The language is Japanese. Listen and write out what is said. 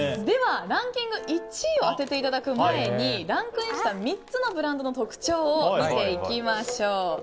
ランキング１位を当てていただく前にランクインした３つのブランドの特徴を見ていきましょう。